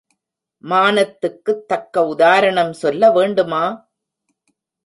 மானத்துக்குத் தக்க உதாரணம் சொல்ல வேண்டுமா?